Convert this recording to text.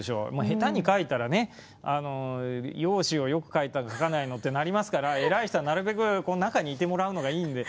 下手に描いたらね容姿を良く描いたの描かないのってなりますから偉い人はなるべく中にいてもらうのがいいんで。